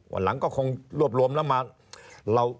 วันหลังก็คงรวบรวมแล้วมา